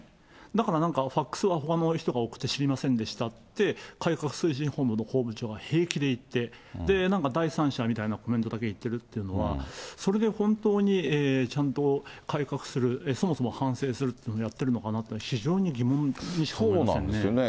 だから、なんかファックスはほかの人が送って知りませんでしたって、改革推進本部の本部長が平気で言って、なんか第三者みたいなコメントだけ言ってるって、それで本当にちゃんと改革する、そもそも反省するってやっているのかなって、そそうなんですよね。